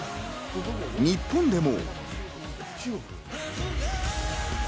日本でも。